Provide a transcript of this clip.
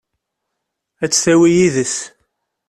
Ad tt-tawi yid-s?